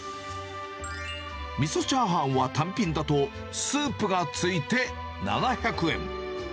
みそチャーハンは単品だと、スープが付いて７００円。